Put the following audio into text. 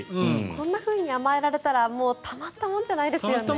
こんなふうに甘えられたらたまったもんじゃないですね。